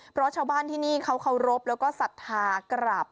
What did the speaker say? เพราะชาวบ้านที่นี่เขาเคารพแล้วก็ศรัทธากราบ